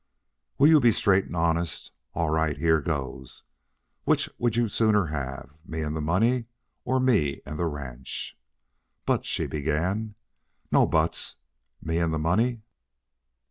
"Will you be straight and honest? All right, here goes. Which would you sooner have me and the money, or me and the ranch?" "But " she began. "No buts. Me and the money?"